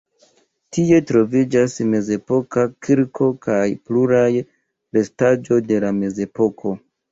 Tie troviĝas mezepoka kirko kaj pluraj restaĵo de la mezepoko.